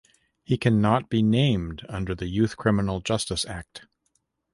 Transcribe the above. He cannot be named under the Youth Criminal Justice Act.